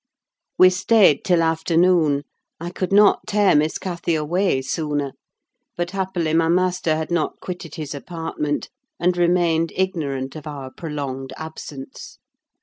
We stayed till afternoon: I could not tear Miss Cathy away sooner; but happily my master had not quitted his apartment, and remained ignorant of our prolonged absence.